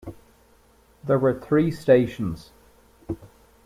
There were three stations.